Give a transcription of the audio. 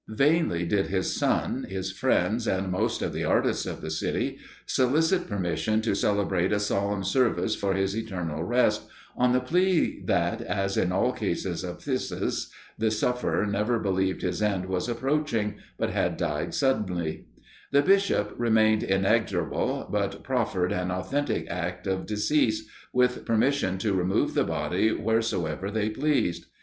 Vainly did his son, his friends, and most of the artists of the city, solicit permission to celebrate a solemn service for his eternal rest, on the plea that, as in all cases of phthisis, the sufferer never believed his end was approaching, but had died suddenly; the Bishop remained inexorable, but proffered an authentic act of decease, with permission to remove the body wheresoever they pleased.